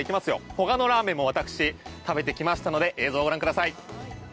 ほかのラーメンも私、食べてきましたので映像をご覧ください。